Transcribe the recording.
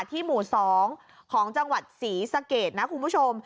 หมู่๒ของจังหวัดศรีสะเกดนะคุณผู้ชม